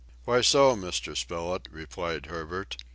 "Why so, Mr. Spilett?" replied Herbert.